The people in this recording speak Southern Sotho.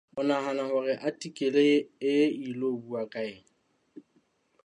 O nahana hore atikele e ilo bua ka eng?